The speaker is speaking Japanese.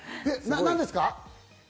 何ですか？